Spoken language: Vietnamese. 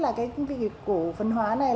là cái việc của phân hóa này